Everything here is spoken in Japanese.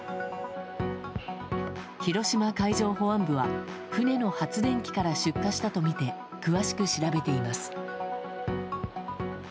広島海上保安部は船の発電機から出火したとみて詳しく調べています。